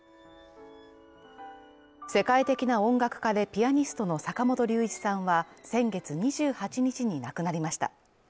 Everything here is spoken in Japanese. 世界的な音楽家でピアニストの坂本龍一さんは先月２８日に亡くなりました。